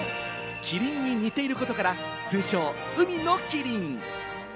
キリンに似ていることから通称・海のキリン。